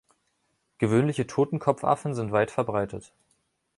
Gewöhnliche Totenkopfaffen sind weit verbreitet.